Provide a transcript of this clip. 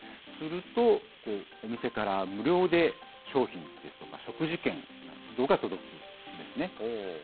すると、お店から無料で商品ですとか食事券などが届くんですね。